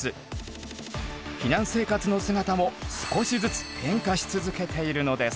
避難生活の姿も少しずつ変化し続けているのです。